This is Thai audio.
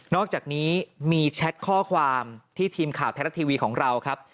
อกจากนี้มีแชทข้อความที่ทีมข่าวไทยรัฐทีวีของเราครับ